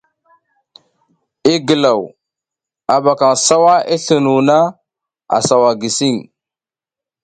I gilaw, a ɓakaƞ sawa i sliɗuw na, a sawa gisiƞ.